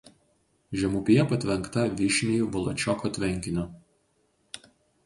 Žemupyje patvenkta Vyšnij Voločioko tvenkiniu.